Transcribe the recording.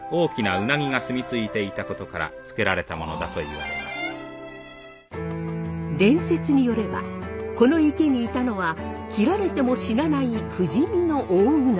これは伝説によればこの池にいたのは切られても死なない不死身の大鰻。